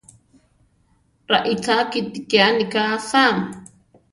Raícha kíti ke aníka asá!